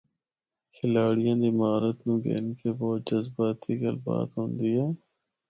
کھلاڑیاں دی مہارت نوں گھن کے بہت جذباتی گل بات ہوندی اے۔